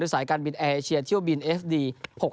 ด้วยสายการบินแอร์เอเชียเที่ยวบินเอฟดี๖๕๙